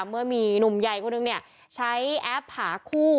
เมื่อมีหนุ่มใหญ่คนหนึ่งใช้แอปหาคู่